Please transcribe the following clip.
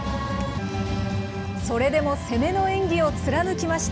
それでも攻めの演技を貫きました。